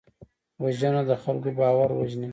وژنه د خلکو باور وژني